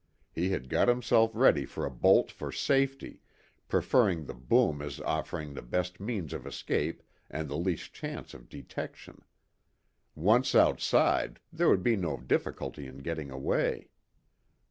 He had got himself ready for a bolt for safety, preferring the boom as offering the best means of escape and the least chance of detection. Once outside there would be no difficulty in getting away.